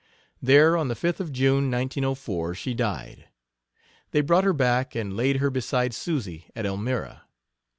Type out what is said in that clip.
There, on the 5th of June, 1904, she died. They brought her back and laid her beside Susy, at Elmira.